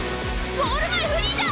ゴール前フリーだ！